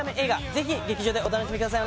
ぜひ劇場でお楽しみください